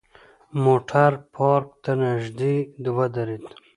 موټر پارک ته نژدې ودرید.